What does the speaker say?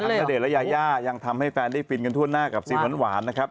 ณเดชน์และยายายังทำให้แฟนได้ฟินกันทั่วหน้ากับซีหวานนะครับ